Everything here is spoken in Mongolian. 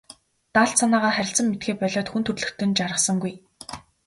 Далд санаагаа харилцан мэдэхээ болиод хүн төрөлхтөн жаргасангүй.